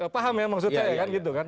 paham ya maksud saya kan gitu kan